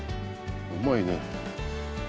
うまいね。